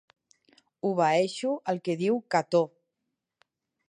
Obeeixo el que diu Cató.